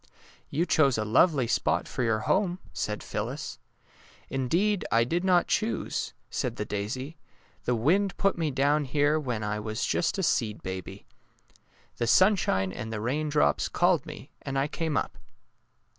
'' You chose a lovely spot for your home," said Phyllis. '' Indeed, I did not choose," said the daisy, ^^ the wind put me down here when I was just a seed baby. The sunshine and the rain drops called me, and I came up."